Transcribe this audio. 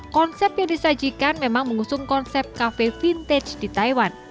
konsep yang disajikan memang mengusung konsep kafe vintage di taiwan